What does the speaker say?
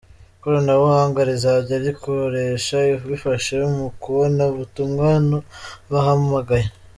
Ikoranabunga rizajya rikoresha bifashe mu kubona ubutumwa n’abahamagaye